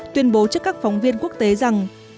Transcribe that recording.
tuyên bố trước các phóng viên quốc tế rằng